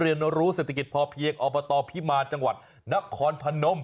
เรียนรู้เศรษฐกิจพอเพียงอบตพิมารจังหวัดนครพนม